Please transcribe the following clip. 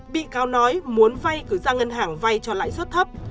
bị cáo nói muốn vay cử ra ngân hàng vay cho lãi suất thấp